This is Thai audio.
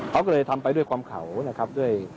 เขาก็เลยทำไปด้วยความเขานะครับด้วย